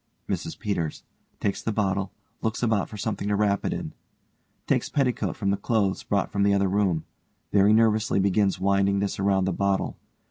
MRS PETERS: (_takes the bottle, looks about for something to wrap it in; takes petticoat from the clothes brought from the other room, very nervously begins winding this around the bottle.